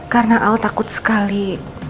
karena al takut sekali